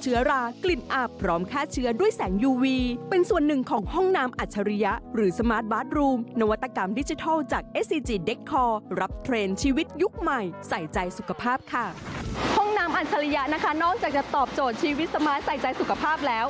เชื้อแบคทีเรียนะครับนอกจากจะตอบโจทย์ชีวิตสมาธิใส่ใจสุขภาพแล้ว